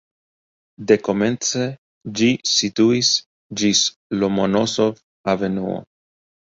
Dekomence ĝi situis ĝis Lomonosov-avenuo.